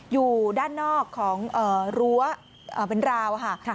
อยู่ด้านนอกของรัวเบียนราวนะฮะ